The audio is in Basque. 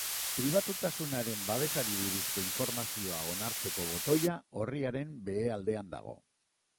Pribatutasunaren babesari buruzko informazioa onartzeko botoia orriaren behealdean dago.